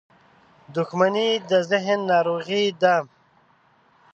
• دښمني د ذهن ناروغي ده.